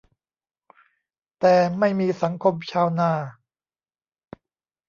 แต่ "ไม่มีสังคมชาวนา"